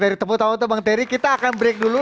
dari tepuk tangan untuk bang terry kita akan break dulu